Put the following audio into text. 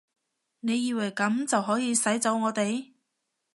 你以為噉就可以使走我哋？